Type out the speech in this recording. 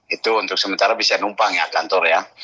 itu untuk sementara bisa numpang ya kantor ya